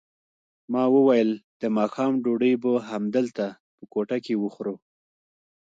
ما وویل د ماښام ډوډۍ به همدلته په کوټه کې وخورو.